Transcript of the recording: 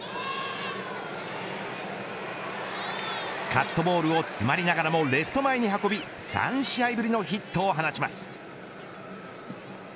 カットボールを詰まりながらもレフト前に運び３試合ぶりのヒットを放ちます。